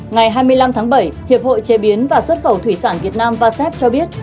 ngày hai mươi năm tháng bảy hiệp hội chế biến và xuất khẩu thủy sản việt nam vasep cho biết